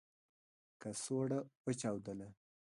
کڅوړه و چاودله .